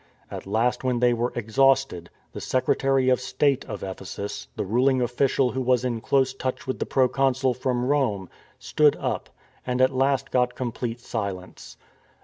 At last when they were exhausted, the secretary of state of Ephesus — the ruHng official who was in close touch with the pro consul from Rome — stood up, and at last got com plete silence.